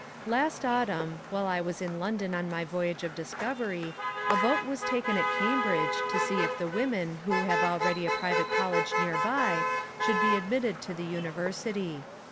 Last autumn, while I was in London on my voyage of discovery, a vote was taken at Cambridge to see if the women who have already a private college nearby, should be admitted to the university.